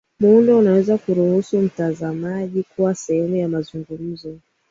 muundo unaweza kuruhusu mtazamaji kuwa sehemu ya mazungumzo